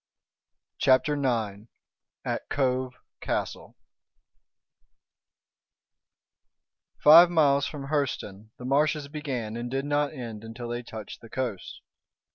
CHAPTER IX AT COVE CASTLE Five miles from Hurseton the marshes began and did not end until they touched the coast.